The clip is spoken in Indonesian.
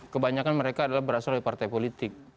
kebanyakan mereka adalah berasal dari partai politik